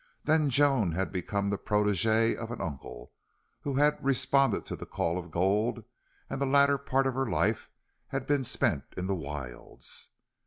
Then Joan had become the protegee of an uncle who had responded to the call of gold; and the latter part of her life had been spent in the wilds.